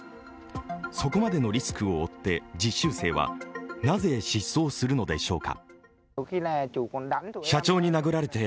そこまでのリスクを負って実習生はなぜ失踪するのでしょうか。